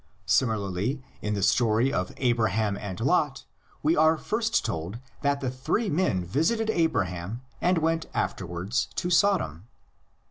Similarly in the story of Abraham and Lot, we are first told that the three men visited Abraham and went afterwards to Sodom.